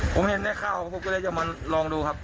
ผมเห็นได้ข้าวผมก็เลยจะมาลองดูครับ